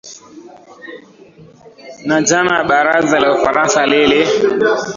na jana baraza la ufaransa lili